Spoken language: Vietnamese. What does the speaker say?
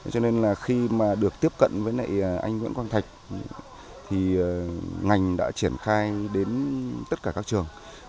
cho nên là khi mà được tiếp cận với anh nguyễn quang thạch thì ngành đã triển khai đến tất cả các trường